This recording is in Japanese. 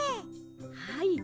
はい。